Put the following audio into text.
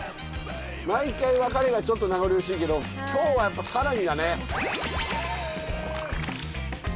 毎回別れがちょっと名残惜しいけど今日はやっぱ更にだね。